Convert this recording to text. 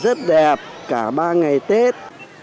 thời tiết đẹp cả ba ngày tết